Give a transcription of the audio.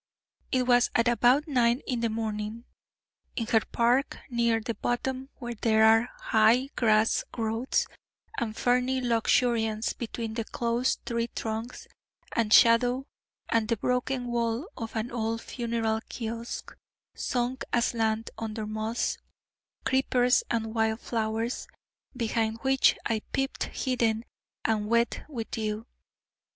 It was at about nine in the morning, in her park, near the bottom where there are high grass growths and ferny luxuriance between the close tree trunks, and shadow, and the broken wall of an old funeral kiosk sunk aslant under moss, creepers, and wild flowers, behind which I peeped hidden and wet with dew.